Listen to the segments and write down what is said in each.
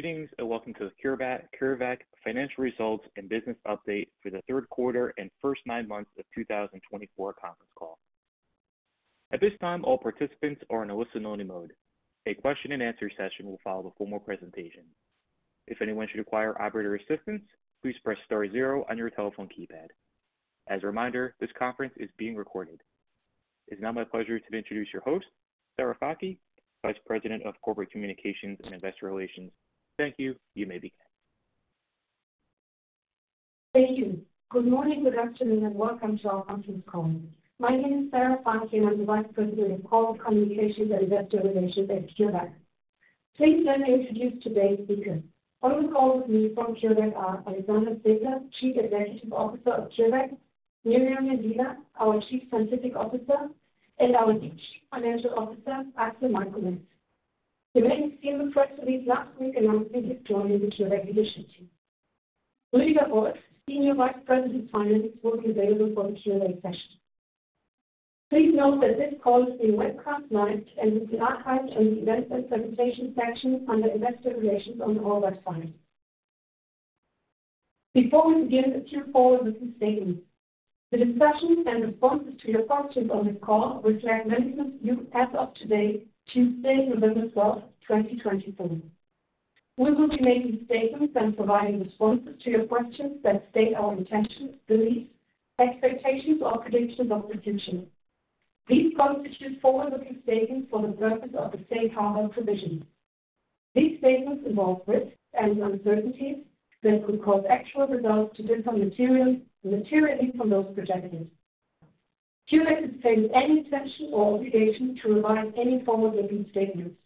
Greetings and welcome to the CureVac Financial Results and Business Update for the third quarter and first nine months of 2024 conference call. At this time, all participants are in a listen-only mode. A question-and-answer session will follow the formal presentation. If anyone should require operator assistance, please press star zero on your telephone keypad. As a reminder, this conference is being recorded. It is now my pleasure to introduce your host, Sarah Fakih, Vice President of Corporate Communications and Investor Relations. Thank you. You may begin. Thank you. Good morning, good afternoon, and welcome to our conference call. My name is Sarah Fakih, and I'm the Vice President of Corporate Communications and Investor Relations at CureVac. Please let me introduce today's speakers. On the call with me from CureVac are Alexander Zehnder, Chief Executive Officer of CureVac; Myriam Mendila, our Chief Scientific Officer; and our Chief Financial Officer, Axel Malkomes. He made his debut in the press release last week announcing his joining the CureVac leadership team. Rita Vogt, Senior Vice President of Finance, will be available for the Q&A session. Please note that this call is being webcast live and will be archived in the Events and Presentations section under Investor Relations on our website. Before we begin, a few forward-looking statements. The discussions and responses to your questions on this call reflect management's views as of today, Tuesday, November 12, 2024. We will be making statements and providing responses to your questions that state our intentions, beliefs, expectations, or predictions of the future. These constitute forward-looking statements for the purpose of the safe harbor provisions. These statements involve risks and uncertainties that could cause actual results to differ materially from those projected. CureVac disclaims any intention or obligation to revise any forward-looking statements.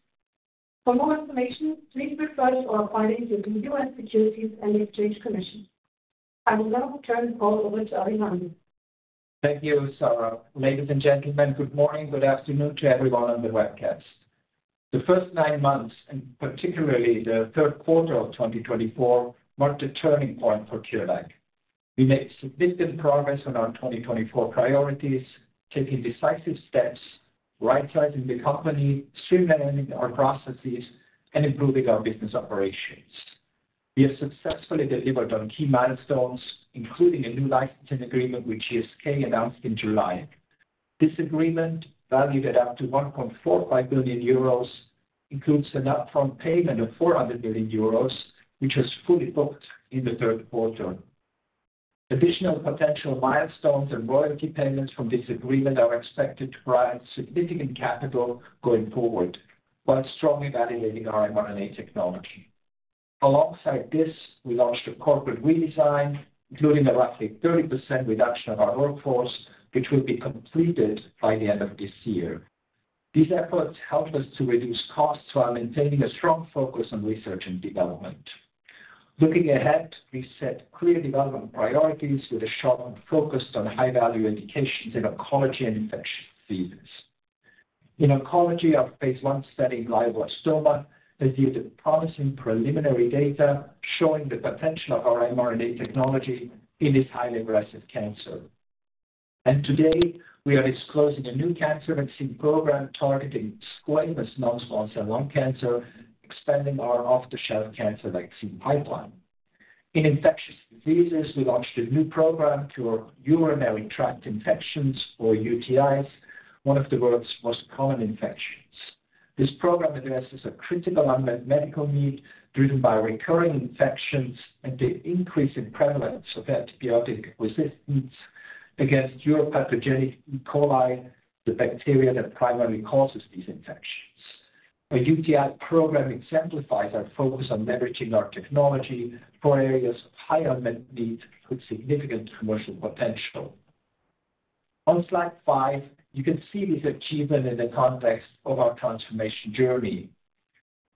For more information, please refer to our filings with the U.S. Securities and Exchange Commission. I will now turn the call over to Alexander. Thank you, Sarah. Ladies and gentlemen, good morning, good afternoon to everyone on the webcast. The first nine months, and particularly the third quarter of 2024, marked a turning point for CureVac. We made significant progress on our 2024 priorities, taking decisive steps, right-sizing the company, streamlining our processes, and improving our business operations. We have successfully delivered on key milestones, including a new licensing agreement with GSK announced in July. This agreement, valued at up to 1.45 billion euros, includes an upfront payment of 400 million euros, which was fully booked in the third quarter. Additional potential milestones and royalty payments from this agreement are expected to provide significant capital going forward while strongly validating our mRNA technology. Alongside this, we launched a corporate redesign, including a roughly 30% reduction of our workforce, which will be completed by the end of this year. These efforts help us to reduce costs while maintaining a strong focus on research and development. Looking ahead, we set clear development priorities with a sharp focus on high-value indications in oncology and infectious diseases. In oncology, our phase I study in glioblastoma has yielded promising preliminary data showing the potential of our mRNA technology in this highly aggressive cancer, and today, we are disclosing a new cancer vaccine program targeting squamous non-small cell lung cancer, expanding our off-the-shelf cancer vaccine pipeline. In infectious diseases, we launched a new program to treat urinary tract infections, or UTIs, one of the world's most common infections. This program addresses a critical unmet medical need driven by recurring infections and the increase in prevalence of antibiotic resistance against uropathogenic E. coli, the bacteria that primarily causes these infections. Our UTI program exemplifies our focus on leveraging our technology for areas of high unmet need with significant commercial potential. On slide five, you can see these achievements in the context of our transformation journey.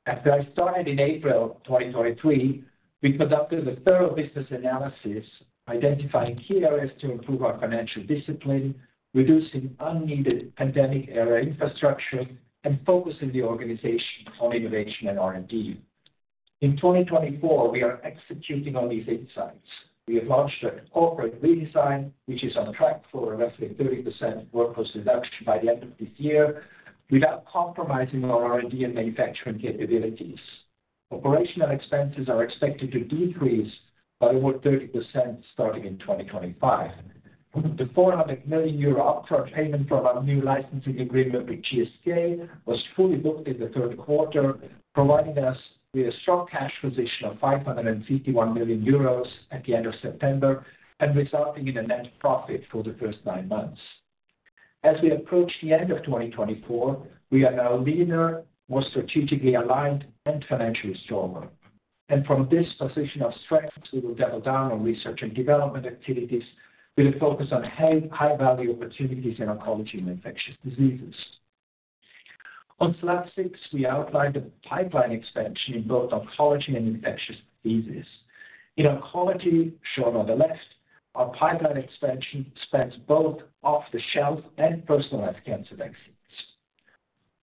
After I started in April 2023, we conducted a thorough business analysis, identifying key areas to improve our financial discipline, reducing unneeded pandemic-era infrastructure, and focusing the organization on innovation and R&D. In 2024, we are executing on these insights. We have launched a corporate redesign, which is on track for roughly 30% workforce reduction by the end of this year without compromising our R&D and manufacturing capabilities. Operational expenses are expected to decrease by over 30% starting in 2025. The €400 million upfront payment from our new licensing agreement with GSK was fully booked in the third quarter, providing us with a strong cash position of €551 million at the end of September and resulting in a net profit for the first nine months. As we approach the end of 2024, we are now leaner, more strategically aligned, and financially stronger. And from this position of strength, we will double down on research and development activities with a focus on high-value opportunities in oncology and infectious diseases. On slide six, we outlined the pipeline expansion in both oncology and infectious diseases. In oncology, shown on the left, our pipeline expansion spans both off-the-shelf and personalized cancer vaccines.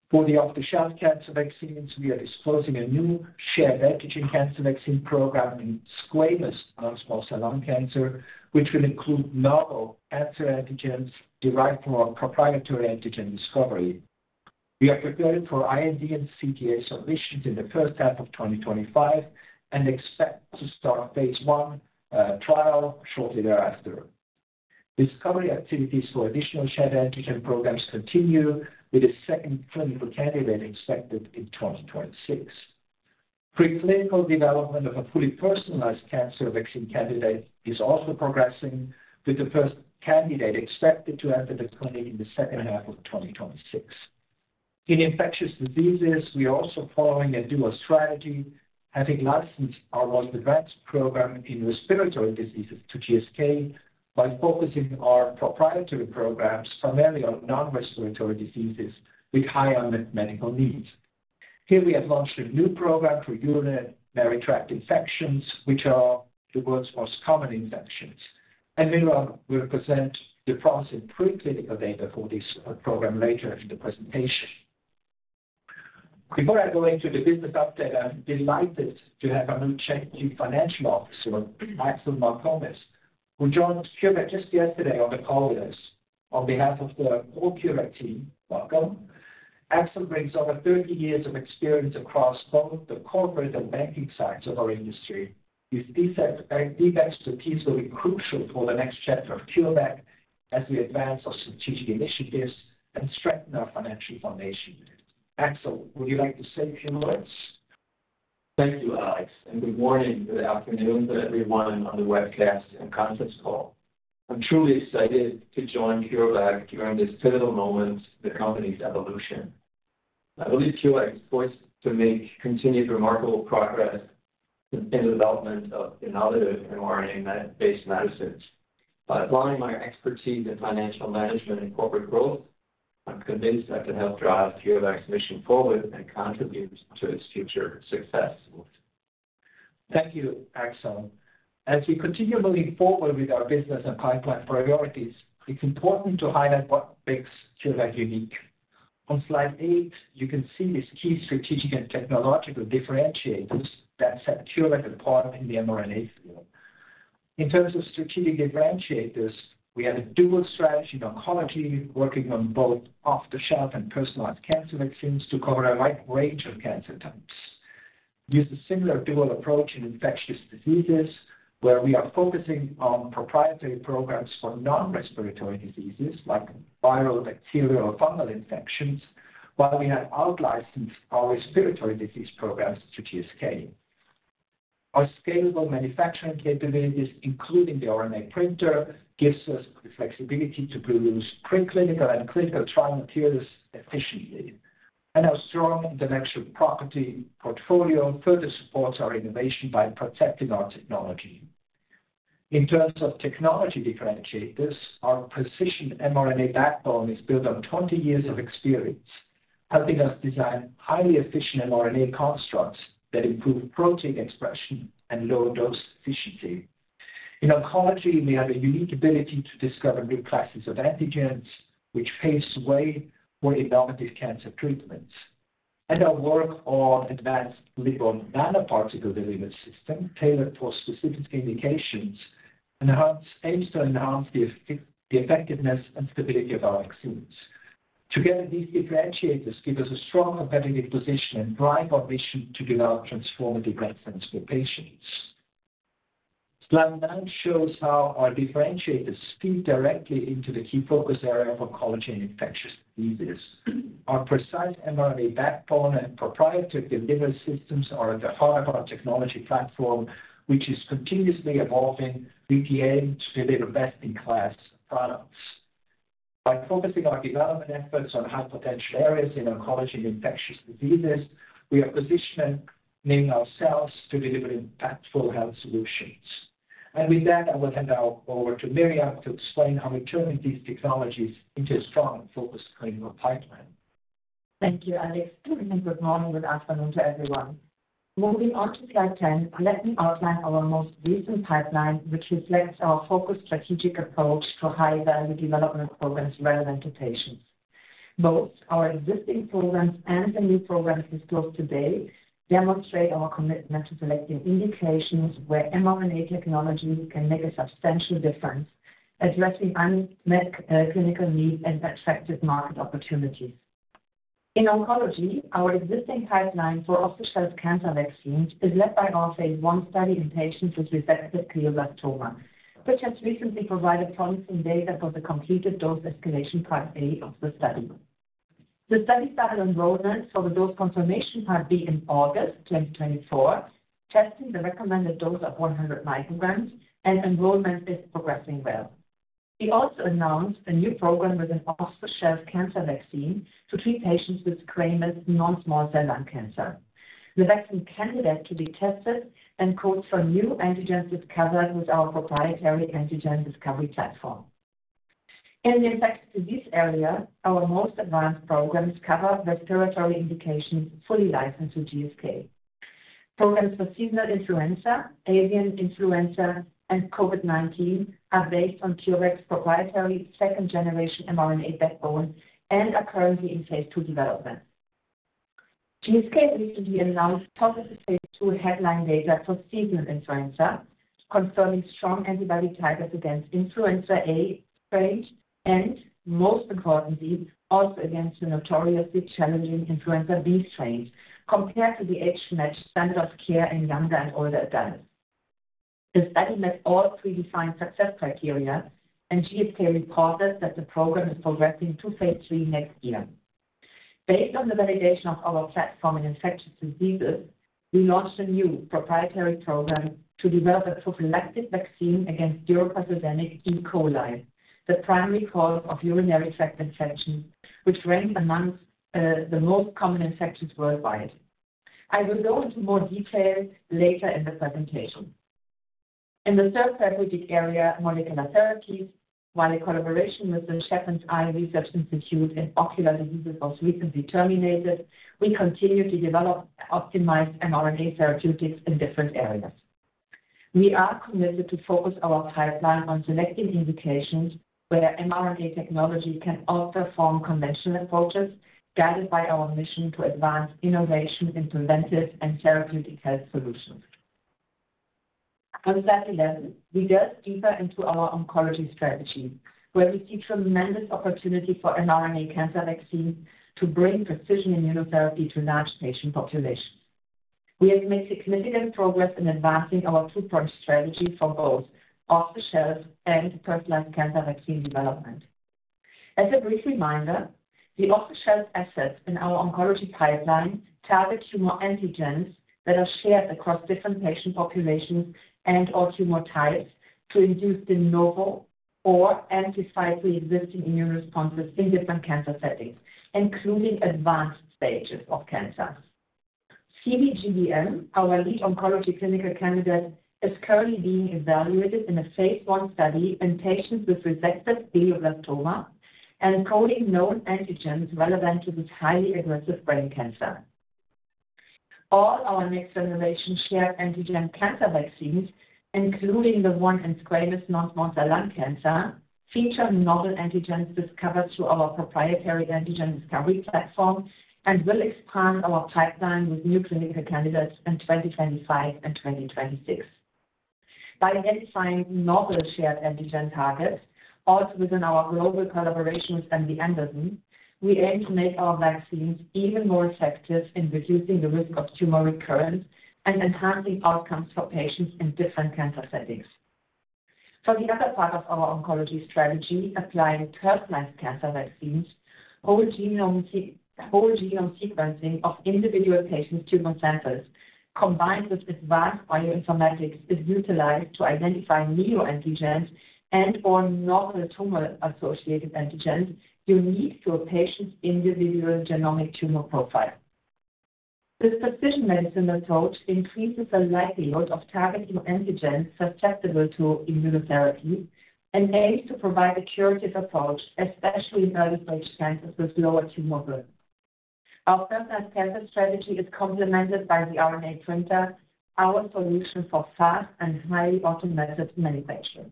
For the off-the-shelf cancer vaccines, we are disclosing a new shared antigen cancer vaccine program in squamous non-small cell lung cancer, which will include novel cancer antigens derived from our proprietary antigen discovery. We are preparing for IND and CTA submissions in the first half of 2025 and expect to start phase I trial shortly thereafter. Discovery activities for additional shared antigen programs continue with a second clinical candidate expected in 2026. Pre-clinical development of a fully personalized cancer vaccine candidate is also progressing, with the first candidate expected to enter the clinic in the second half of 2026. In infectious diseases, we are also following a dual strategy, having licensed our most advanced program in respiratory diseases to GSK by focusing our proprietary programs primarily on non-respiratory diseases with high unmet medical needs. Here, we have launched a new program for urinary tract infections, which are the world's most common infections, and Myriam, we'll present the promising pre-clinical data for this program later in the presentation. Before I go into the business update, I'm delighted to have our new Chief Financial Officer, Axel Malkomes, who joined CureVac just yesterday on the call with us on behalf of the whole CureVac team. Welcome. Axel brings over 30 years of experience across both the corporate and banking sides of our industry. His deep expertise will be crucial for the next chapter of CureVac as we advance our strategic initiatives and strengthen our financial foundation. Axel, would you like to say a few words? Thank you, Alex, and good morning or good afternoon to everyone on the webcast and conference call. I'm truly excited to join CureVac during this pivotal moment in the company's evolution. I believe CureVac is poised to make continued remarkable progress in the development of innovative mRNA-based medicines. By applying my expertise in financial management and corporate growth, I'm convinced I can help drive CureVac's mission forward and contribute to its future success. Thank you, Axel. As we continue moving forward with our business and pipeline priorities, it's important to highlight what makes CureVac unique. On slide eight, you can see these key strategic and technological differentiators that set CureVac apart in the mRNA field. In terms of strategic differentiators, we have a dual strategy in oncology, working on both off-the-shelf and personalized cancer vaccines to cover a wide range of cancer types. We use a similar dual approach in infectious diseases, where we are focusing on proprietary programs for non-respiratory diseases like viral, bacterial, or fungal infections, while we have outlicensed our respiratory disease programs to GSK. Our scalable manufacturing capabilities, including the RNA printer, give us the flexibility to produce pre-clinical and clinical trial materials efficiently, and our strong intellectual property portfolio further supports our innovation by protecting our technology. In terms of technology differentiators, our positioned mRNA backbone is built on 20 years of experience, helping us design highly efficient mRNA constructs that improve protein expression and low-dose efficiency. In oncology, we have a unique ability to discover new classes of antigens, which paves the way for innovative cancer treatments. Our work on advanced lipid nanoparticle delivery systems, tailored for specific indications, aims to enhance the effectiveness and stability of our vaccines. Together, these differentiators give us a strong competitive position and drive our mission to develop transformative medicines for patients. Slide nine shows how our differentiators feed directly into the key focus area of oncology and infectious diseases. Our precise mRNA backbone and proprietary delivery systems are at the heart of our technology platform, which is continuously evolving. We aim to deliver best-in-class products. By focusing our development efforts on high-potential areas in oncology and infectious diseases, we are positioning ourselves to deliver impactful health solutions. And with that, I will hand over to Myriam to explain how we turned these technologies into a strong and focused clinical pipeline. Thank you, Alex, and good morning, good afternoon to everyone. Moving on to slide 10, let me outline our most recent pipeline, which reflects our focused strategic approach to high-value development programs relevant to patients. Both our existing programs and the new programs disclosed today demonstrate our commitment to selecting indications where mRNA technology can make a substantial difference, addressing unmet clinical needs and attractive market opportunities. In oncology, our existing pipeline for off-the-shelf cancer vaccines is led by our phase I study in patients with resected glioblastoma, which has recently provided promising data for the completed dose escalation part A of the study. The study started enrollment for the dose confirmation part B in August 2024, testing the recommended dose of 100 micrograms, and enrollment is progressing well. We also announced a new program with an off-the-shelf cancer vaccine to treat patients with squamous non-small cell lung cancer. The vaccine candidate to be tested and codes for new antigens discovered with our proprietary antigen discovery platform. In the infectious disease area, our most advanced programs cover respiratory indications fully licensed with GSK. Programs for seasonal influenza, avian influenza, and COVID-19 are based on CureVac's proprietary second-generation mRNA backbone and are currently in phase II development. GSK recently announced positive phase II headline data for seasonal influenza, confirming strong antibody titers against influenza A strains and, most importantly, also against the notoriously challenging influenza B strains, compared to the age-matched standard of care in younger and older adults. The study met all three defined success criteria, and GSK reported that the program is progressing to phase III next year. Based on the validation of our platform in infectious diseases, we launched a new proprietary program to develop a prophylactic vaccine against Uropathogenic E. coli the primary cause of urinary tract infections, which ranks among the most common infections worldwide. I will go into more detail later in the presentation. In the third therapeutic area, molecular therapies, while a collaboration with the Schepens Eye Research Institute in ocular diseases was recently terminated, we continue to develop optimized mRNA therapeutics in different areas. We are committed to focus our pipeline on selecting indications where mRNA technology can outperform conventional approaches, guided by our mission to advance innovation in preventive and therapeutic health solutions. On slide 11, we delve deeper into our oncology strategy, where we see tremendous opportunity for mRNA cancer vaccines to bring precision immunotherapy to large patient populations. We have made significant progress in advancing our two-pronged strategy for both off-the-shelf and personalized cancer vaccine development. As a brief reminder, the off-the-shelf assets in our oncology pipeline target tumor antigens that are shared across different patient populations and/or tumor types to induce de novo or amplify pre-existing immune responses in different cancer settings, including advanced stages of cancer. CVGBM, our lead oncology clinical candidate, is currently being evaluated in a phase I study in patients with resected glioblastoma encoding known antigens relevant to this highly aggressive brain cancer. All our next-generation shared antigen cancer vaccines, including the one in squamous non-small cell lung cancer, feature novel antigens discovered through our proprietary antigen discovery platform and will expand our pipeline with new clinical candidates in 2025 and 2026. By identifying novel shared antigen targets, also within our global collaboration with MD Anderson, we aim to make our vaccines even more effective in reducing the risk of tumor recurrence and enhancing outcomes for patients in different cancer settings. For the other part of our oncology strategy, applying personalized cancer vaccines, whole genome sequencing of individual patients' tumor samples combined with advanced bioinformatics is utilized to identify new antigens and/or novel tumor-associated antigens unique to a patient's individual genomic tumor profile. This precision medicine approach increases the likelihood of targeting antigens susceptible to immunotherapy and aims to provide a curative approach, especially in early-stage cancers with lower tumor burden. Our personalized cancer strategy is complemented by the RNA Printer, our solution for fast and highly automated manufacturing.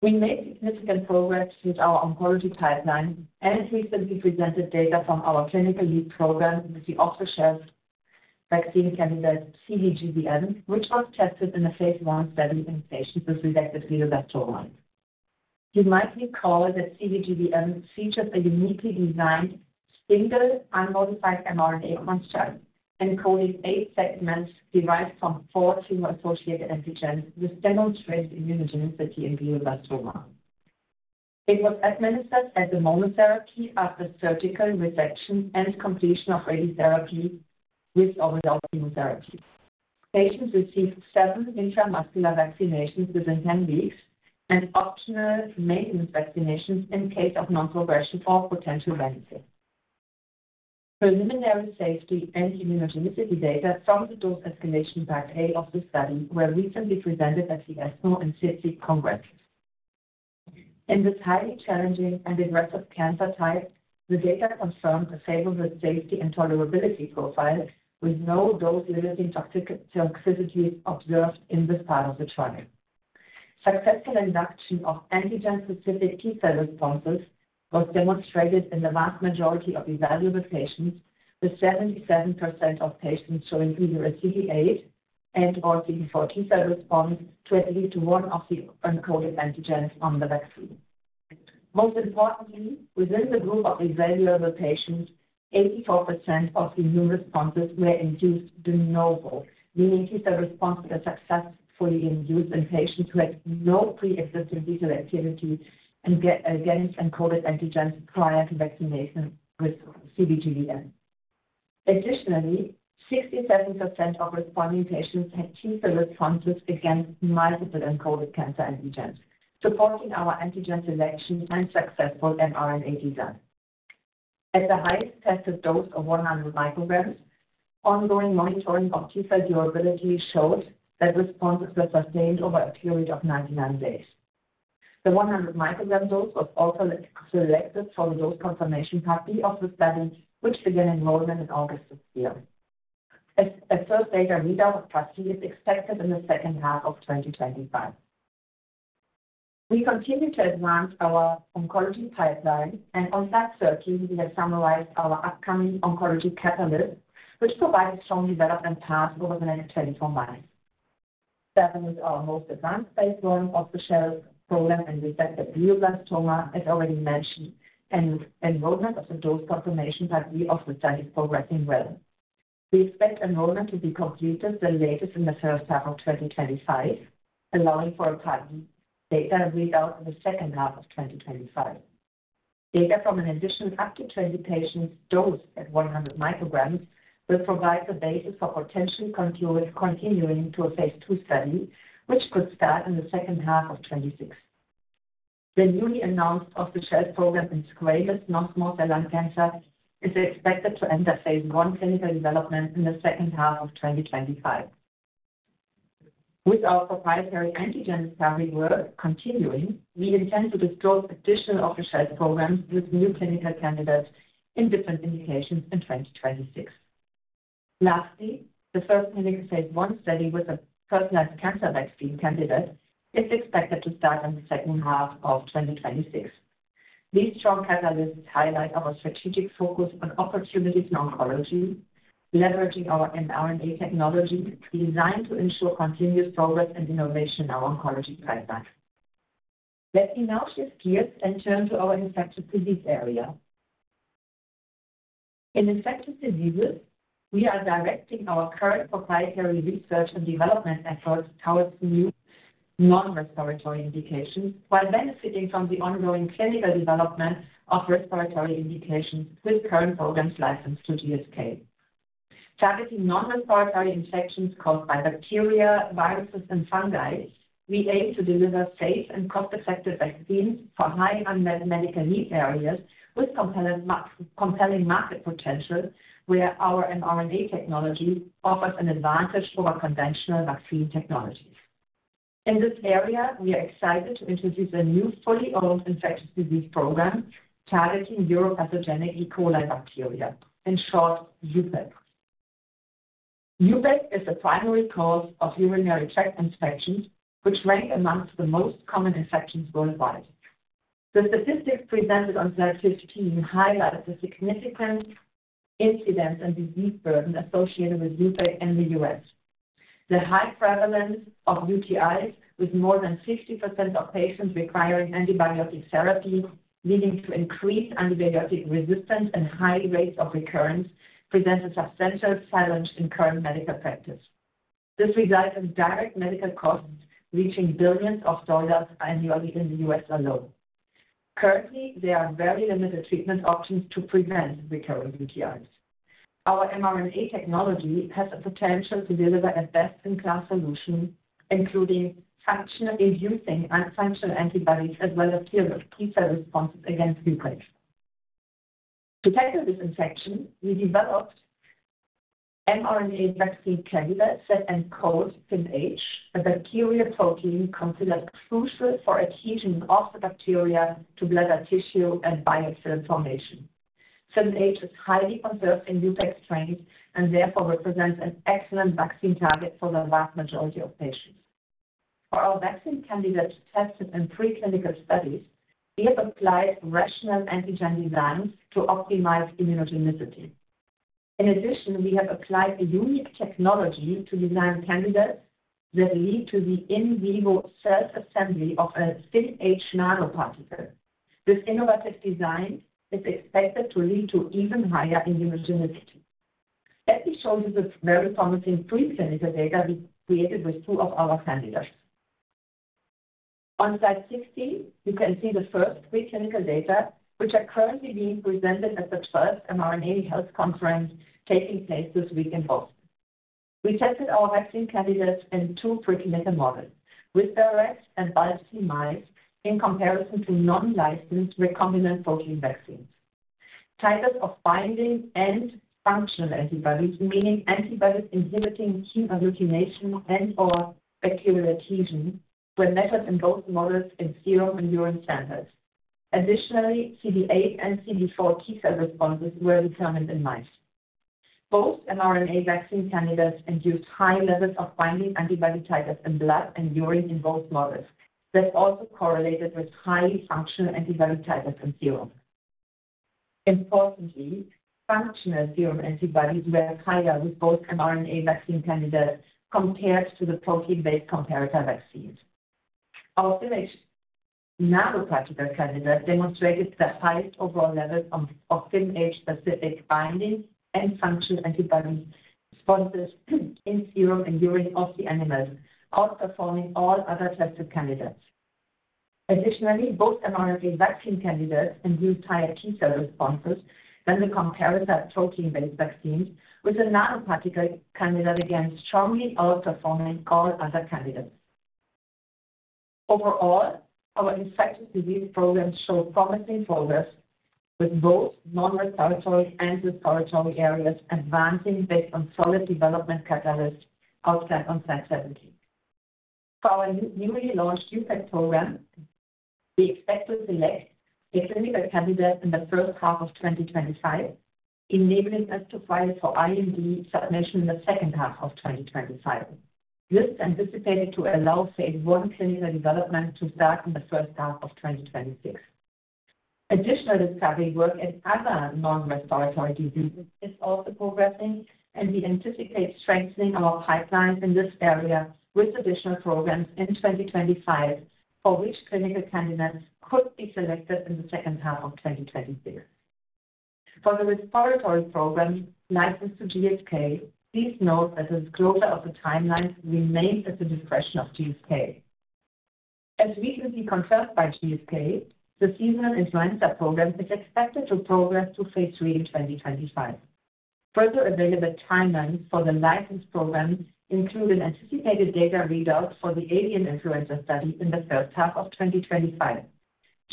We made significant progress with our oncology pipeline and recently presented data from our clinical lead program with the off-the-shelf vaccine candidate CVGBM, which was tested in a phase I study in patients with resected glioblastoma. You might recall that CVGBM features a uniquely designed single unmodified mRNA construct encoding eight segments derived from four tumor-associated antigens with demonstrated immunogenicity in glioblastoma. It was administered as a monotherapy after surgical resection and completion of radiotherapy with or without chemotherapy. Patients received seven intramuscular vaccinations within 10 weeks and optional maintenance vaccinations in case of non-progression or potential benefit. Preliminary safety and immunogenicity data from the dose escalation part A of the study were recently presented at the ESMO and SITC Congress. In this highly challenging and aggressive cancer type, the data confirmed a favorable safety and tolerability profile with no dose-limiting toxicities observed in this part of the trial. Successful induction of antigen-specific T-cell responses was demonstrated in the vast majority of evaluable patients, with 77% of patients showing either a CD8 and/or CD4 T-cell response to at least one of the encoded antigens on the vaccine. Most importantly, within the group of evaluable patients, 84% of immune responses were induced de novo, meaning T-cell responses were successfully induced in patients who had no pre-existing T-cell activity against encoded antigens prior to vaccination with CVGBM. Additionally, 67% of responding patients had T-cell responses against multiple encoded cancer antigens, supporting our antigen selection and successful mRNA design. At the highest tested dose of 100 micrograms, ongoing monitoring of T-cell durability showed that responses were sustained over a period of 99 days. The 100-microgram dose was also selected for the dose confirmation part B of the study, which began enrollment in August this year. A first data readout of part C is expected in the second half of 2025. We continue to advance our oncology pipeline, and on slide 13, we have summarized our upcoming oncology catalyst, which provides strong development paths over the next 24 months. CVGBM is our most advanced phase I off-the-shelf program in glioblastoma, as already mentioned, and enrollment of the dose confirmation part B of the study is progressing well. We expect enrollment to be completed the latest in the first half of 2025, allowing for a part B data readout in the second half of 2025. Data from an additional up to 20 patients dosed at 100 micrograms will provide the basis for potential continuing to a phase II study, which could start in the second half of 2026. The newly announced off-the-shelf program in squamous non-small cell lung cancer is expected to enter phase I clinical development in the second half of 2025. With our proprietary antigen discovery work continuing, we intend to disclose additional off-the-shelf programs with new clinical candidates in different indications in 2026. Lastly, the first clinical phase I study with a personalized cancer vaccine candidate is expected to start in the second half of 2026. These strong catalysts highlight our strategic focus on opportunities in oncology, leveraging our mRNA technology designed to ensure continuous progress and innovation in our oncology pipeline. Let me now shift gears and turn to our infectious disease area. In infectious diseases, we are directing our current proprietary research and development efforts towards new non-respiratory indications while benefiting from the ongoing clinical development of respiratory indications with current programs licensed to GSK. Targeting non-respiratory infections caused by bacteria, viruses, and fungi, we aim to deliver safe and cost-effective vaccines for high unmet medical needs areas with compelling market potential where our mRNA technology offers an advantage over conventional vaccine technologies. In this area, we are excited to introduce a new fully owned infectious disease program targeting uropathogenic Escherichia coli bacteria, in short, UPEC. UPEC is the primary cause of urinary tract infections, which rank amongst the most common infections worldwide. The statistics presented on slide 15 highlighted the significant incidence and disease burden associated with UPEC in the U.S. The high prevalence of UTIs with more than 50% of patients requiring antibiotic therapy, leading to increased antibiotic resistance and high rates of recurrence, presents a substantial challenge in current medical practice. This results in direct medical costs reaching billions of dollars annually in the U.S. alone. Currently, there are very limited treatment options to prevent recurring UTIs. Our mRNA technology has the potential to deliver a best-in-class solution, including inducing functional antibodies as well as T-cell responses against UPEC. To tackle this infection, we developed mRNA vaccine candidate CVUTI targeting FimH, a bacterial protein considered crucial for adhesion of the bacteria to blood or tissue and biofilm formation. FimH is highly conserved in UPEC strains and therefore represents an excellent vaccine target for the vast majority of patients. For our vaccine candidates tested in preclinical studies, we have applied rational antigen designs to optimize immunogenicity. In addition, we have applied a unique technology to design candidates that lead to the in vivo self-assembly of a FimH nanoparticle. This innovative design is expected to lead to even higher immunogenicity. Let me show you the very promising preclinical data we created with two of our candidates. On slide 16, you can see the first preclinical data, which are currently being presented at the first mRNA Health Conference taking place this week in Boston. We tested our vaccine candidates in two preclinical models, with direct and biopsy might, in comparison to non-licensed recombinant protein vaccines. Titers of binding and functional antibodies, meaning antibodies inhibiting chemotaxis and/or bacterial adhesion, were measured in both models in serum and urine samples. Additionally, CD8 and CD4 T-cell responses were determined in mice. Both mRNA vaccine candidates induced high levels of binding antibody titers in blood and urine in both models that also correlated with high functional antibody titers in serum. Importantly, functional serum antibodies were higher with both mRNA vaccine candidates compared to the protein-based comparator vaccines. Our FimH nanoparticle candidate demonstrated the highest overall levels of FimH specific binding and functional antibody responses in serum and urine of the animals, outperforming all other tested candidates. Additionally, both mRNA vaccine candidates induced higher T-cell responses than the comparator protein-based vaccines, with the nanoparticle candidate again strongly outperforming all other candidates. Overall, our infectious disease programs show promising progress with both non-respiratory and respiratory areas advancing based on solid development catalysts outlined on slide 17. For our newly launched UPEC program, we expect to select a clinical candidate in the first half of 2025, enabling us to file for IND submission in the second half of 2025. This is anticipated to allow phase I clinical development to start in the first half of 2026. Additional discovery work in other non-respiratory diseases is also progressing, and we anticipate strengthening our pipelines in this area with additional programs in 2025, for which clinical candidates could be selected in the second half of 2026. For the respiratory program licensed to GSK, please note that the disclosure of the timeline remains at the discretion of GSK. As recently confirmed by GSK, the seasonal influenza program is expected to progress to phase III in 2025. Further available timelines for the licensed program include an anticipated data readout for the avian influenza study in the first half of 2025.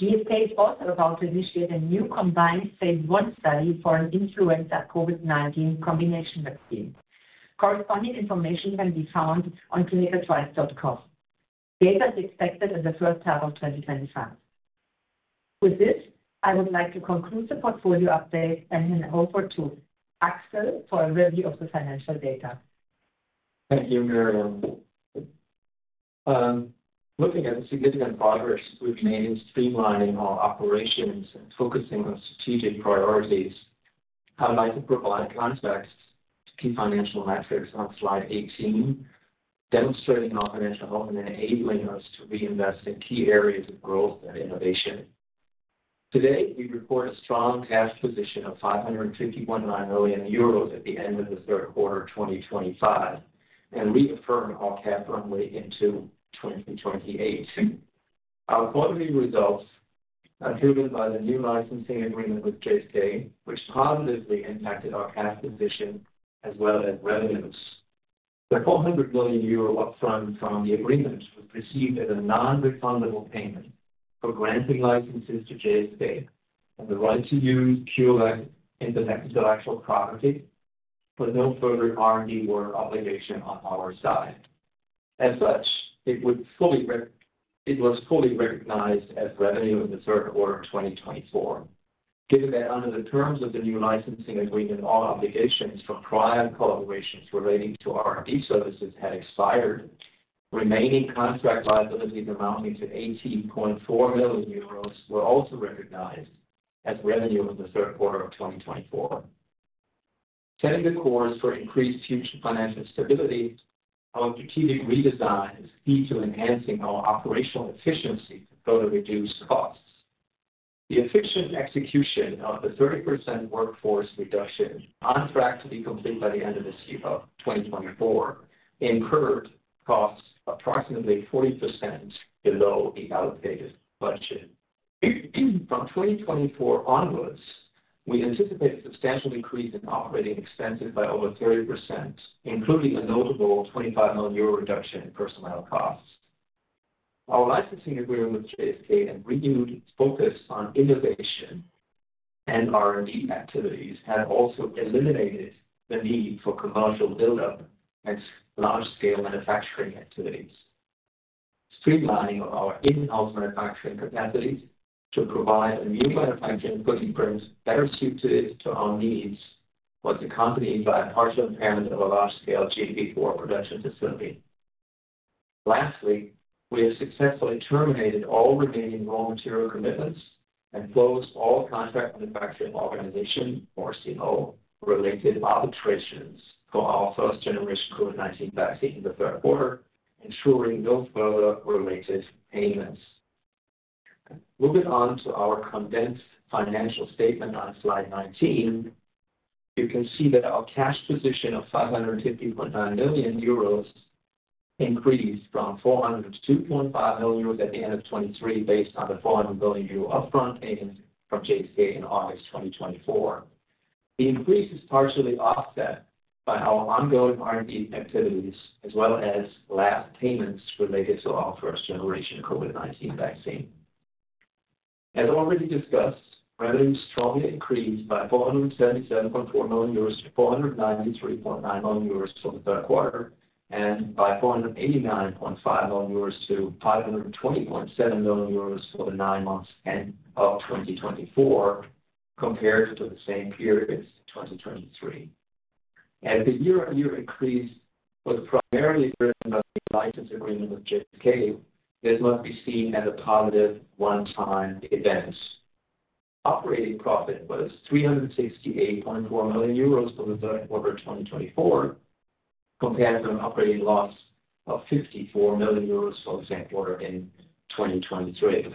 GSK is also about to initiate a new combined phase I study for an influenza COVID-19 combination vaccine. Corresponding information can be found on ClinicalTrials.gov. Data is expected in the first half of 2025. With this, I would like to conclude the portfolio update and hand over to Axel for a review of the financial data. Thank you, Myriam. Looking at the significant progress we've made in streamlining our operations and focusing on strategic priorities, I'd like to provide context to key financial metrics on slide 18, demonstrating our financial health and enabling us to reinvest in key areas of growth and innovation. Today, we report a strong cash position of €551 million at the end of the third quarter of 2025 and reaffirm our cash runway into 2028. Our quarterly results are driven by the new licensing agreement with GSK, which positively impacted our cash position as well as revenues. The 400 million euro upfront from the agreement was received as a non-refundable payment for granting licenses to GSK and the right to use CureVac intellectual property, but no further R&D work obligation on our side. As such, it was fully recognized as revenue in the third quarter of 2024. Given that under the terms of the new licensing agreement, all obligations from prior collaborations relating to R&D services had expired, remaining contract liabilities amounting to 18.4 million euros were also recognized as revenue in the third quarter of 2024. Setting the course for increased future financial stability, our strategic redesign is key to enhancing our operational efficiency to further reduce costs. The efficient execution of the 30% workforce reduction on track to be complete by the end of this year, 2024, incurred costs approximately 40% below the allocated budget. From 2024 onwards, we anticipate a substantial increase in operating expenses by over 30%, including a notable 25 million euro reduction in personnel costs. Our licensing agreement with GSK and renewed focus on innovation and R&D activities have also eliminated the need for commercial buildup and large-scale manufacturing activities. Streamlining of our in-house manufacturing capacities to provide a new manufacturing footprint better suited to our needs was accompanied by a partial impairment of a large-scale GMP IV production facility. Lastly, we have successfully terminated all remaining raw material commitments and closed all contract manufacturing organization, or CMO, related arbitrations for our first-generation COVID-19 vaccine in the third quarter, ensuring no further related payments. Moving on to our condensed financial statement on slide 19, you can see that our cash position of 550.9 million euros increased from 402.5 million euros at the end of 2023 based on the 400 million euro upfront payment from GSK in August 2024. The increase is partially offset by our ongoing R&D activities as well as last payments related to our first-generation COVID-19 vaccine. As already discussed, revenues strongly increased by 477.4 million euros to 493.9 million euros for the third quarter and by 489.5 million euros to 520.7 million euros for the nine months of 2024 compared to the same period in 2023. As the year-on-year increase was primarily driven by the license agreement with GSK, this must be seen as a positive one-time event. Operating profit was 368.4 million euros for the third quarter of 2024 compared to an operating loss of 54 million euros for the same quarter in 2023.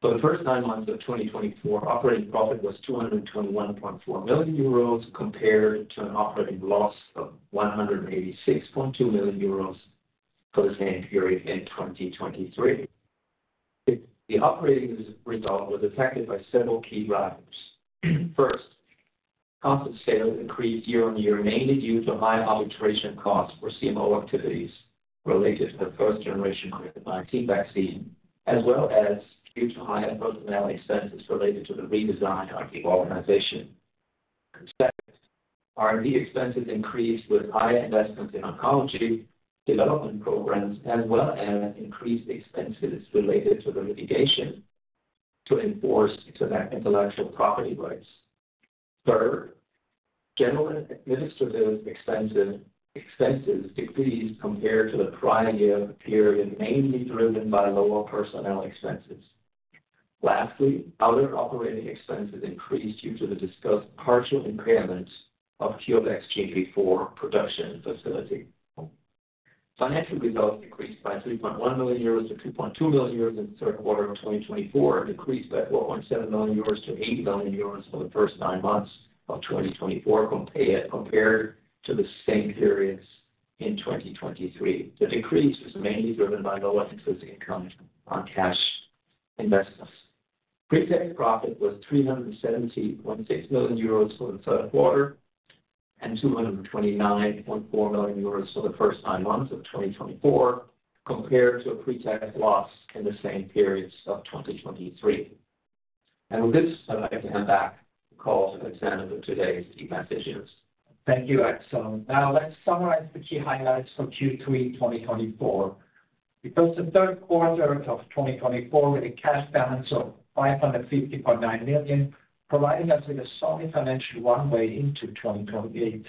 For the first nine months of 2024, operating profit was 221.4 million euros compared to an operating loss of 186.2 million euros for the same period in 2023. The operating result was affected by several key drivers. First, cost of sales increased year-on-year mainly due to high arbitration costs for CMO activities related to the first-generation COVID-19 vaccine, as well as due to higher personnel expenses related to the redesign of the organization. Second, R&D expenses increased with higher investments in oncology development programs, as well as increased expenses related to the litigation to enforce intellectual property rights. Third, general administrative expenses decreased compared to the prior year period, mainly driven by lower personnel expenses. Lastly, other operating expenses increased due to the discussed partial impairment of CureVac's GMP IV production facility. Financial results increased by 3.1 million euros to 2.2 million euros in the third quarter of 2024 and decreased by 4.7 million euros to 80 million euros for the first nine months of 2024 compared to the same periods in 2023. The decrease was mainly driven by lower interest income on cash investments. Pre-tax profit was 370.6 million euros for the third quarter and 229.4 million euros for the first nine months of 2024 compared to a pre-tax loss in the same periods of 2023. With this, I'd like to hand back the call to Alexander for today's key messages. Thank you, Axel. Now, let's summarize the key highlights for Q3 2024. We closed the third quarter of 2024 with a cash balance of 550.9 million, providing us with a solid financial runway into 2028.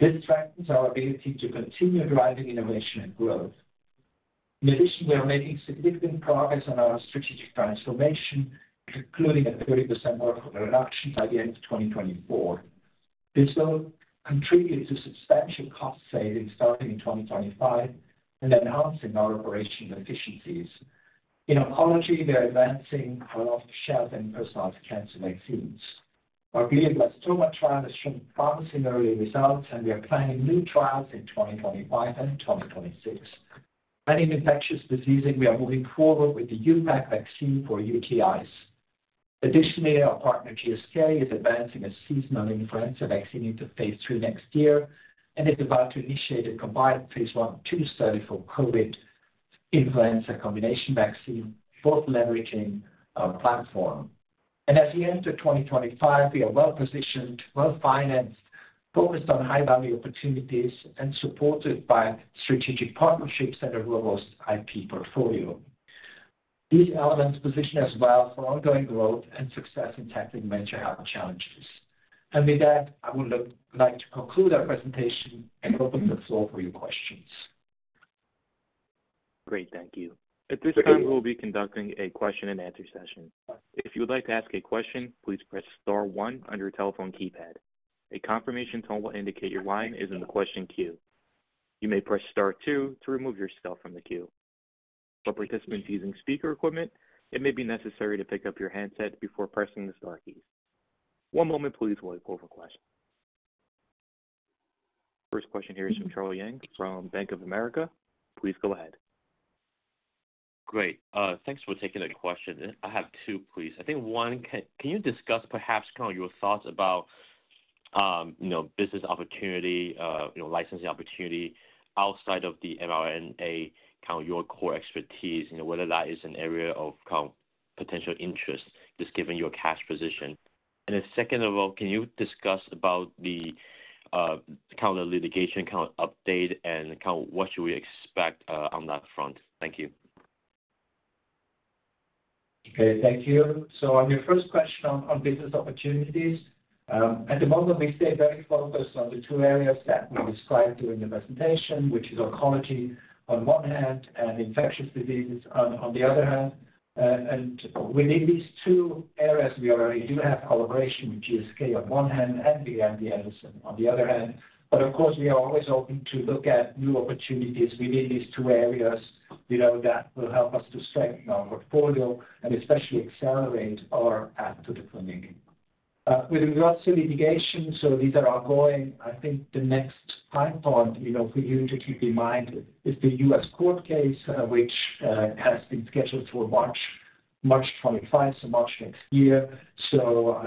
This strengthens our ability to continue driving innovation and growth. In addition, we are making significant progress on our strategic transformation, including a 30% workforce reduction by the end of 2024. This will contribute to substantial cost savings starting in 2025 and enhancing our operational efficiencies. In oncology, we are advancing our off-the-shelf and personalized cancer vaccines. Our glioblastoma trial has shown promising early results, and we are planning new trials in 2025 and 2026, and in infectious diseases, we are moving forward with the UPEC vaccine for UTIs. Additionally, our partner GSK is advancing a seasonal influenza vaccine into phase III next year and is about to initiate a combined phase 1/2 study for COVID influenza combination vaccine, both leveraging our platform, and as we enter 2025, we are well-positioned, well-financed, focused on high-value opportunities, and supported by strategic partnerships and a robust IP portfolio. These elements position us well for ongoing growth and success in tackling major health challenges, and with that, I would like to conclude our presentation and open the floor for your questions. Great, thank you. At this time, we will be conducting a question-and-answer session. If you would like to ask a question, please press Star one on your telephone keypad. A confirmation tone will indicate your line is in the question queue. You may press Star two to remove yourself from the queue. For participants using speaker equipment, it may be necessary to pick up your handset before pressing the Star keys. One moment, please, while we pull the questions. First question here is from Charlie Yang from Bank of America. Please go ahead. Great. Thanks for taking the question. I have two, please. I think one, can you discuss perhaps your thoughts about business opportunity, licensing opportunity outside of the mRNA, your core expertise, whether that is an area of potential interest just given your cash position? And second of all, can you discuss about the litigation update and what should we expect on that front? Thank you. Okay, thank you. So on your first question on business opportunities, at the moment, we stay very focused on the two areas that we described during the presentation, which is oncology on one hand and infectious diseases on the other hand. And within these two areas, we already do have collaboration with GSK on one hand and with MD Anderson on the other hand. But of course, we are always open to look at new opportunities within these two areas that will help us to strengthen our portfolio and especially accelerate our path to the clinic. With regards to litigation, so these are ongoing. I think the next high point for you to keep in mind is the U.S. court case, which has been scheduled for March 25, so March next year. So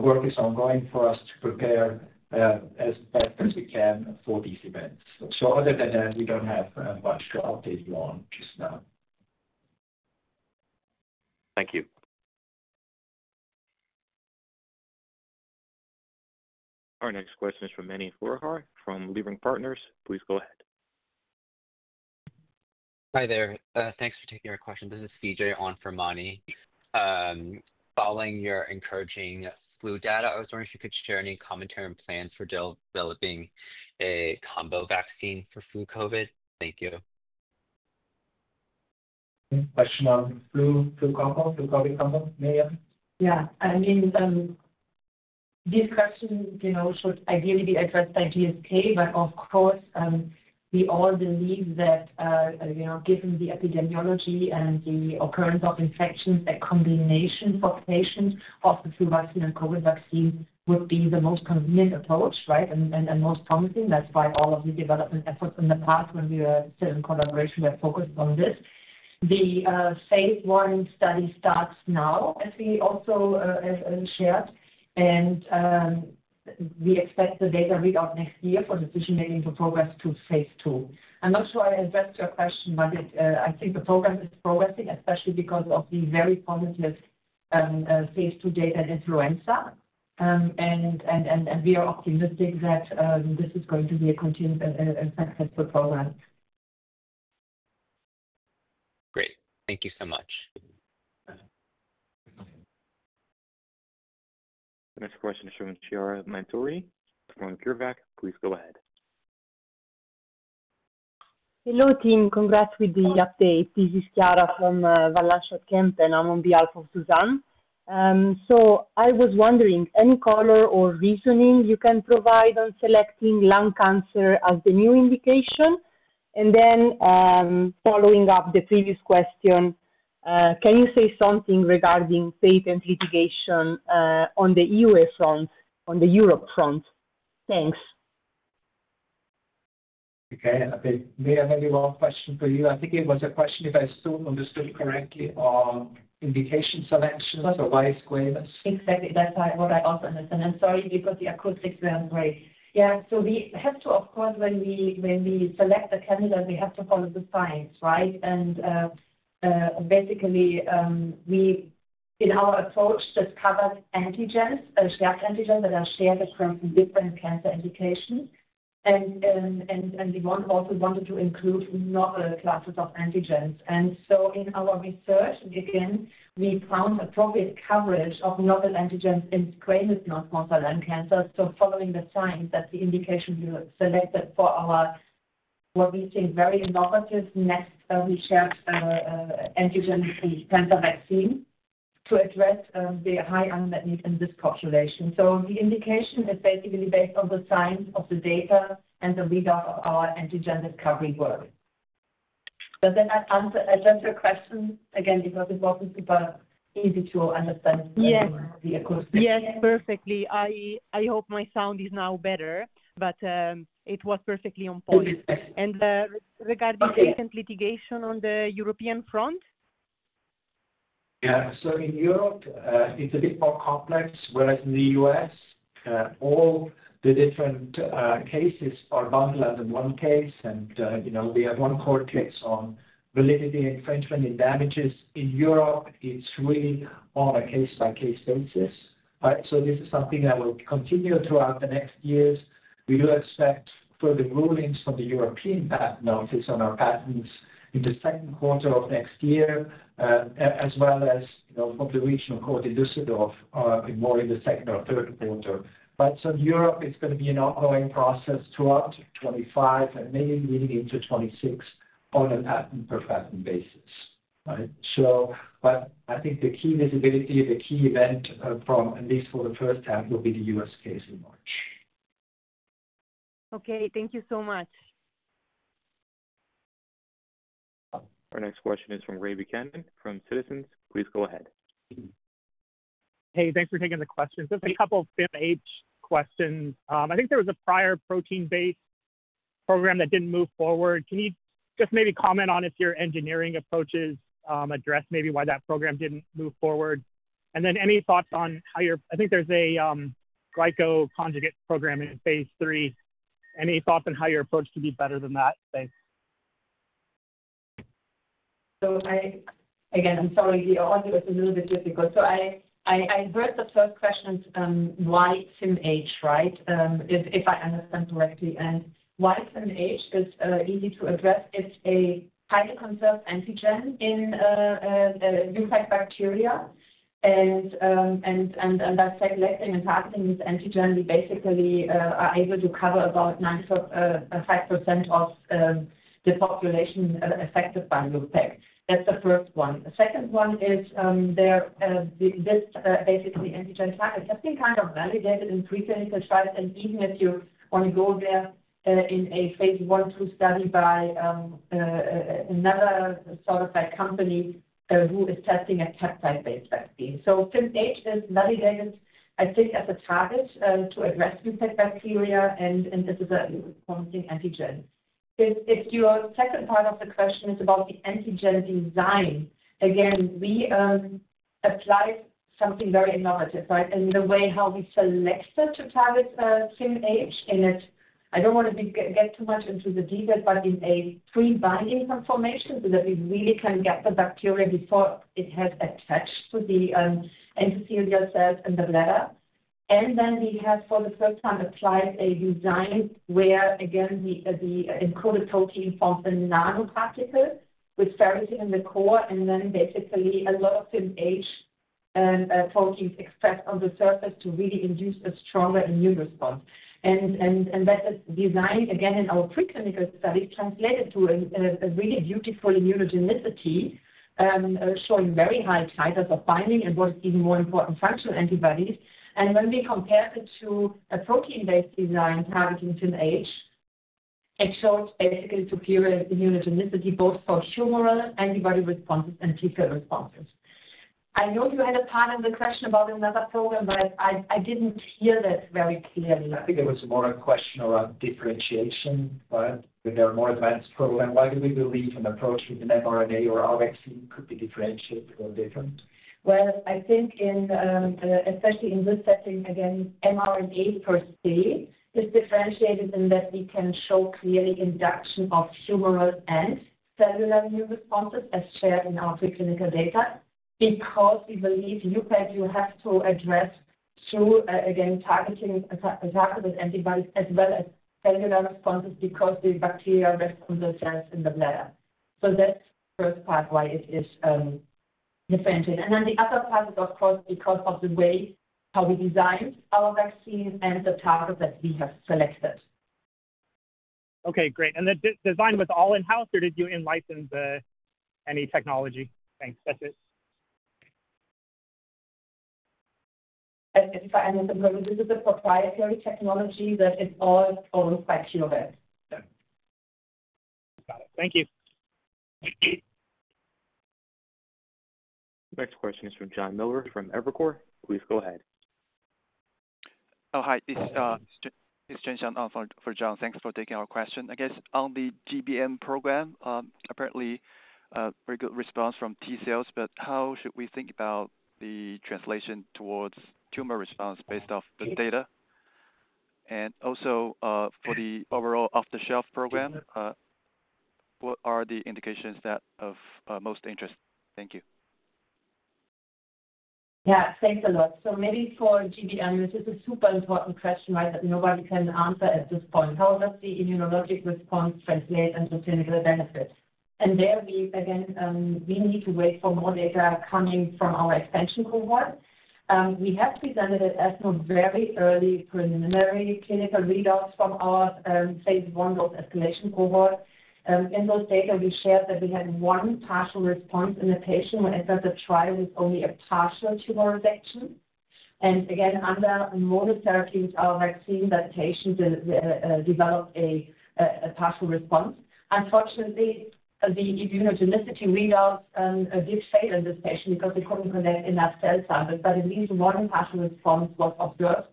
work is ongoing for us to prepare as best as we can for these events. So other than that, we don't have much to update you on just now. Thank you. Our next question is from Mani Foroohar from Leerink Partners. Please go ahead. Hi there. Thanks for taking our question. This is CJ on for Mani. Following your encouraging flu data, I was wondering if you could share any commentary on plans for developing a combo vaccine for flu COVID. Thank you. Question on flu combo, flu COVID combo, Myriam? Yeah. I mean, this question should ideally be addressed by GSK, but of course, we all believe that given the epidemiology and the occurrence of infections, a combination for patients of the flu vaccine and COVID vaccine would be the most convenient approach, right, and most promising. That's why all of the development efforts in the past, when we were still in collaboration, were focused on this. The phase I study starts now, as we also shared, and we expect the data readout next year for decision-making to progress to phase II. I'm not sure I addressed your question, but I think the program is progressing, especially because of the very positive phase II data and influenza, and we are optimistic that this is going to be a continued successful program. Great. Thank you so much. Next question is from Chiara Montironi of Van Lanschot Kempen. Please go ahead. Hello team, congrats with the update. This is Chiara from Van Lanschot Kempen, and I'm on behalf of Suzanne. So I was wondering any color or reasoning you can provide on selecting lung cancer as the new indication? And then following up the previous question, can you say something regarding patent litigation on the EUA front, on the Europe front? Thanks. Okay. Myriam, maybe one question for you. I think it was a question, if I understood correctly, on indication selection or prioritization. Exactly. That's what I also understand. I'm sorry because the acoustics weren't great. Yeah. So we have to, of course, when we select the candidates, we have to follow the science, right? And basically, in our approach, this covers antigens, shared antigens that are shared across different cancer indications. We also wanted to include novel classes of antigens. In our research, again, we found appropriate coverage of novel antigens in squamous non-small cell lung cancers. Following the signals that the indication we selected for our what we think very innovative next-generation shared antigen cancer vaccine to address the high unmet need in this population. The indication is basically based on the signals of the data and the readout of our antigen discovery work. Does that answer your question? Again, because it wasn't super easy to understand the acoustics. Yes, perfectly. I hope my sound is now better, but it was perfectly on point. Regarding patent litigation on the European front? Yeah. So in Europe, it's a bit more complex, whereas in the U.S., all the different cases are bundled under one case, and we have one court case on validity infringement and damages. In Europe, it's really on a case-by-case basis. So this is something that will continue throughout the next years. We do expect further rulings from the European Patent Office on our patents in the second quarter of next year, as well as from the regional court in Düsseldorf, more in the second or third quarter. Right. So in Europe, it's going to be an ongoing process throughout 2025 and mainly leading into 2026 on a patent-per-patent basis. Right. But I think the key visibility, the key event, at least for the first half, will be the U.S. case in March. Okay. Thank you so much. Our next question is from Roy Buchanan from Citizens. Please go ahead. Hey, thanks for taking the question. Just a couple of FimH questions. I think there was a prior protein-based program that didn't move forward. Can you just maybe comment on if your engineering approaches address maybe why that program didn't move forward? And then any thoughts on how your—I think there's a GlycoConjugate program in phase III. Any thoughts on how your approach could be better than that? Thanks. Again, I'm sorry. The audio is a little bit difficult. I heard the first question, why FimH, right? If I understand correctly. And why FimH is easy to address? It's a highly conserved antigen in UPEC bacteria. And by selecting and targeting this antigen, we basically are able to cover about 95% of the population affected by UPEC. That's the first one. The second one is this basically antigen target. It has been kind of validated in preclinical trials, and even if you want to go there in a phase 1/2 study by another sort of company who is testing a peptide-based vaccine. So FimH is validated, I think, as a target to address UPEC bacteria, and this is a promising antigen. If your second part of the question is about the antigen design, again, we applied something very innovative, right? And the way how we selected to target FimH in it, I don't want to get too much into the detail, but in a pre-binding conformation so that we really can get the bacteria before it has attached to the endothelial cells in the bladder. And then we have, for the first time, applied a design where, again, the encoded protein forms a nanoparticle with ferritin in the core, and then basically a lot of FimH proteins expressed on the surface to really induce a stronger immune response. And that design, again, in our preclinical studies, translated to a really beautiful immunogenicity, showing very high titers of binding and, what is even more important, functional antibodies. And when we compared it to a protein-based design targeting FimH, it showed basically superior immunogenicity, both for humoral antibody responses and T cell responses. I know you had a part in the question about another program, but I didn't hear that very clearly. I think there was more a question around differentiation, right? With our more advanced program, why do we believe an approach with an mRNA or RNA vaccine could be differentiated or different? I think, especially in this setting, again, mRNA per se is differentiated in that we can show clearly induction of humoral and cellular immune responses, as shared in our preclinical data, because we believe UPEC, you have to address through, again, targeted antibodies as well as cellular responses because the bacteria rest on the cells in the bladder. So that's the first part why it is differentiated. And then the other part is, of course, because of the way how we designed our vaccine and the target that we have selected. Okay, great. And the design was all in-house, or did you license any technology? Thanks. That's it. If I understand correctly, this is a proprietary technology that is all owned by CureVac. Got it. Thank you. Next question is from John Miller from Evercore. Please go ahead. Oh, hi. This is Zhen Shan for John. Thanks for taking our question. I guess on the GBM program, apparently, very good response from T cells, but how should we think about the translation towards tumor response based off the data? And also for the overall off-the-shelf program, what are the indications that of most interest? Thank you. Yeah, thanks a lot. So maybe for GBM, this is a super important question, right, that nobody can answer at this point. How does the immunologic response translate into clinical benefits? And there, again, we need to wait for more data coming from our expansion cohort. We have presented it as very early preliminary clinical readouts from our phase I dose escalation cohort. In those data, we shared that we had one partial response in a patient who entered the trial with only a partial tumor resection. And again, under monotherapy with our vaccine, that patient developed a partial response. Unfortunately, the immunogenicity readouts did fail in this patient because they couldn't collect enough cell samples, but at least one partial response was observed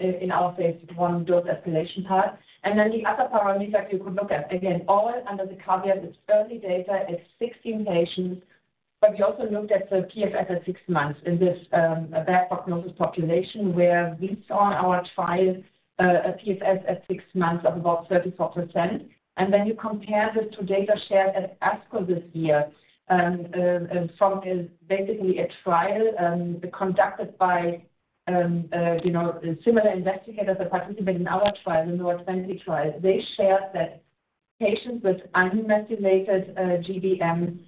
in our phase I dose escalation part. Then the other parameters you could look at, again, all under the caveat of early data at 16 patients, but we also looked at the PFS at six months in this bad prognosis population, where we saw in our trial a PFS at six months of about 34%. Then you compare this to data shared at ASCO this year from basically a trial conducted by similar investigators that participated in our trial, the NOA-20 trial. They shared that patients with unmethylated GBM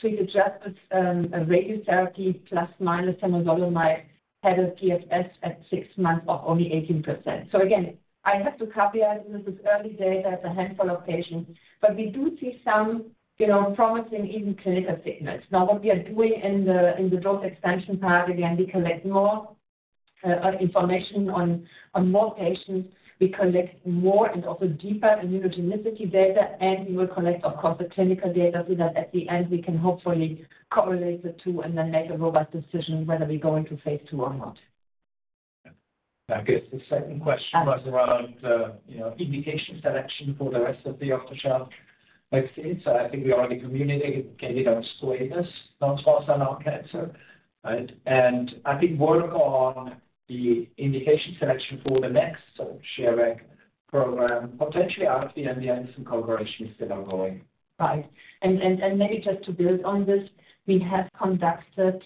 treated just with radiotherapy plus minus temozolomide had a PFS at six months of only 18%. So again, I have to caveat that this is early data at a handful of patients, but we do see some promising even clinical signals. Now, what we are doing in the dose expansion part, again, we collect more information on more patients. We collect more and also deeper immunogenicity data, and we will collect, of course, the clinical data so that at the end, we can hopefully correlate the two and then make a robust decision whether we go into phase II or not. I guess the second question was around indication selection for the rest of the off-the-shelf vaccines. I think we already communicated candidate in squamous non-small cell lung cancer, right? And I think work on the indication selection for the next CHEREC program, potentially from the MD Anderson collaboration is still ongoing. Right.Maybe just to build on this, we have conducted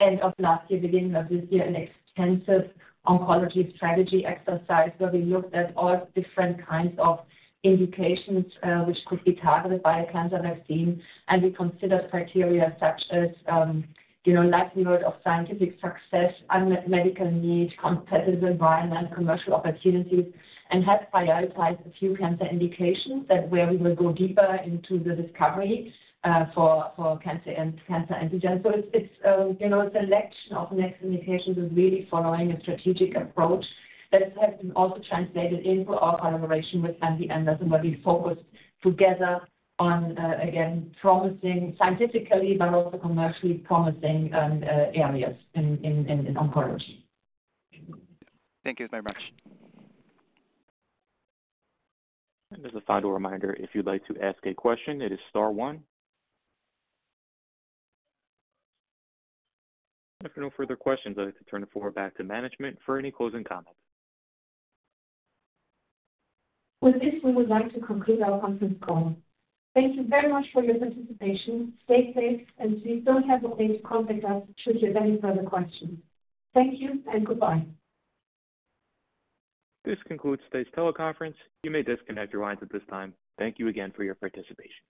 end of last year, beginning of this year, an extensive oncology strategy exercise where we looked at all different kinds of indications which could be targeted by a cancer vaccine. We considered criteria such as likelihood of scientific success, unmet medical need, competitive environment, commercial opportunities, and have prioritized a few cancer indications where we will go deeper into the discovery for cancer antigens. Its selection of next indications is really following a strategic approach that has been also translated into our collaboration with MD Anderson, where we focused together on, again, promising scientifically, but also commercially promising areas in oncology. Thank you very much. As a final reminder, if you'd like to ask a question, it is star one. If there are no further questions, I'd like to turn the floor back to management for any closing comments. With this, we would like to conclude our conference call. Thank you very much for your participation. Stay safe, and please don't hesitate to contact us should you have any further questions. Thank you and goodbye. This concludes today's teleconference. You may disconnect your lines at this time. Thank you again for your participation.